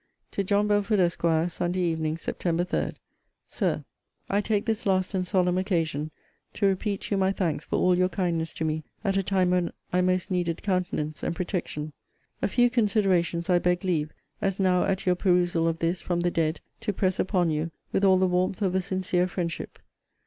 TO JOHN BELFORD, ESQ. SUNDAY EVENING, SEPT. 3. SIR, I take this last and solemn occasion to repeat to you my thanks for all your kindness to me at a time when I most needed countenance and protection. A few considerations I beg leave, as now at your perusal of this, from the dead, to press upon you, with all the warmth of a sincere friendship.